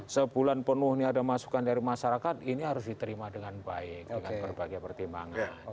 sebulan penuhnya ada masukan dari masyarakat ini harus diterima dengan baik dengan berbagai pertimbangan